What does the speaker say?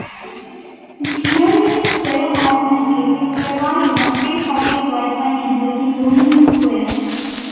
The Union Square Partnership is providing a free public Wi-Fi network in Union Square.